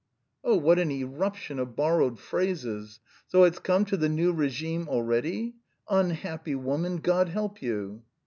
"Oh, what an eruption of borrowed phrases! So it's come to the new regime already? Unhappy woman, God help you!"